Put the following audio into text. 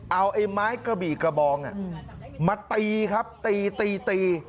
เอาไอ้ไม้กระบี่กระบองมาตีครับตีตีตี